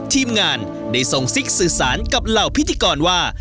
ทีมงานได้ส่งซิกสื่อสารกับเหล่าพิธีกรว่า